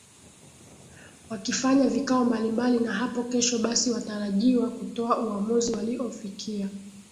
wakifanya vikao mbalimbali na hapo kesho basi watarajiwa kutoa uamuzi waliofikia